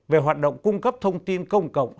về hoạt động cung cấp thông tin công cộng